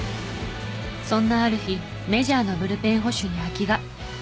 そんなある日メジャーのブルペン捕手に空きが。